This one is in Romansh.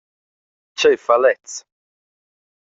Tgei fa lez?